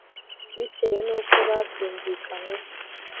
. Bitewe nuko ba byumvikanyweho